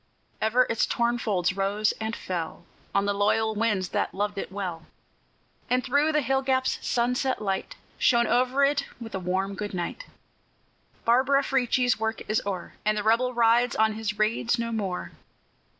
Ever its torn folds rose and fell On the loyal winds that loved it well; And through the hill gaps sunset light Shone over it with a warm good night. Barbara Frietchie's work is o'er, And the Rebel rides on his raids no more.